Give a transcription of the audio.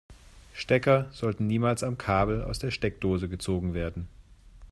Stecker sollten niemals am Kabel aus der Steckdose gezogen werden.